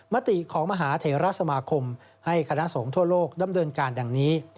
มติของมหาเทราสมาคมให้คณะสงฆ์ทั่วโลกดำเนินการดังนี้